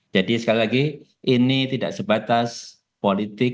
jadi sekali lagi ini tidak sebatas politik